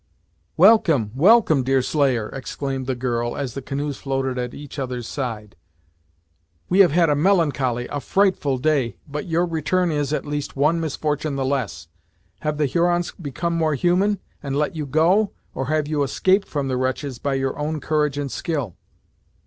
"Welcome welcome, Deerslayer!" exclaimed the girl, as the canoes floated at each other's side; "we have had a melancholy a frightful day but your return is, at least, one misfortune the less! Have the Hurons become more human, and let you go; or have you escaped from the wretches, by your own courage and skill?"